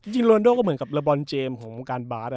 จริงโลนาโดก็เหมือนกับลาบอนเจมส์ของการบาส